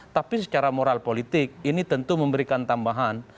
tapi secara moral politik ini tentu memberikan tambahan